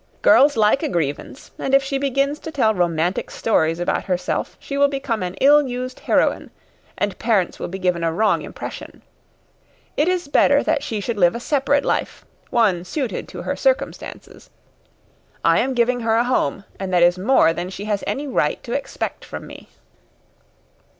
"Girls like a grievance, and if she begins to tell romantic stories about herself, she will become an ill used heroine, and parents will be given a wrong impression. It is better that she should live a separate life one suited to her circumstances. I am giving her a home, and that is more than she has any right to expect from me."